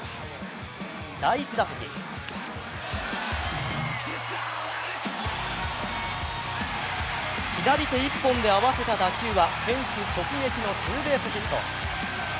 第１打席、左手一本で合わせた打球はフェンス直撃のツーベースヒット。